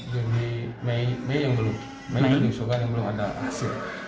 juni may yang belum mei dan yusufan yang belum ada ac